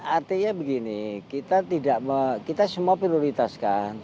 artinya begini kita tidak kita semua prioritaskan